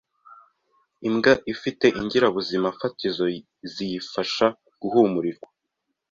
Imbwa ifite ingirabuzima fatizo ziyifasha guhumurirwa,